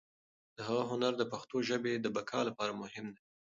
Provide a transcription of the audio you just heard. د هغه هنر د پښتو ژبې د بقا لپاره مهم دی.